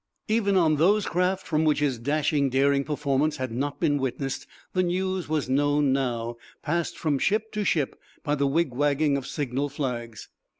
Even on those craft from which his dashing, daring performance had not been witnessed the news was known, now, passed from ship to ship by the wig wagging of signal flags.